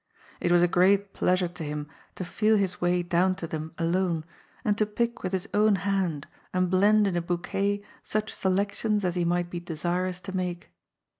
It was a great pleasure to him to feel his way down to them alone, and to pick with his own hand and blend in a bou quet such selections as he might be desirous to make.